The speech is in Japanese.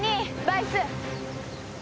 バイス！